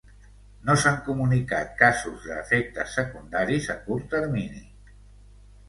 No s'han comunicat casos de efectes secundaris a curt termini.